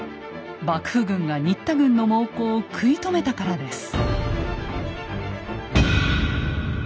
幕府軍が新田軍の猛攻を食い止めたからです。